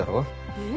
えっ？